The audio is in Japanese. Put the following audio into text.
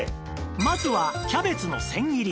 まずはキャベツの千切り